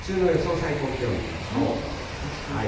最高気温、どうでしょうか。